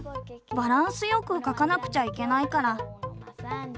バランスよく描かなくちゃいけないから。